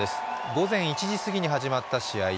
午前１時すぎに始まった試合。